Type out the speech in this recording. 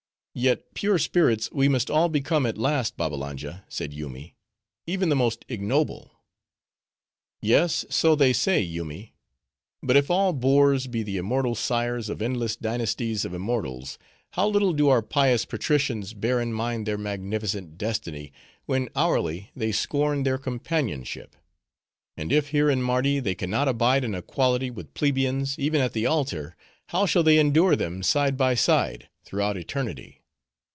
"Yet pure spirits we must all become at last, Babbalanja," said Yoomy, "even the most ignoble." "Yes, so they say, Yoomy; but if all boors be the immortal sires of endless dynasties of immortals, how little do our pious patricians bear in mind their magnificent destiny, when hourly they scorn their companionship. And if here in Mardi they can not abide an equality with plebeians, even at the altar; how shall they endure them, side by side, throughout eternity?